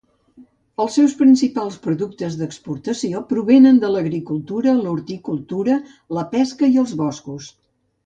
Els seus principals productes d'exportació provenen de l'agricultura, l'horticultura, la pesca i els boscos.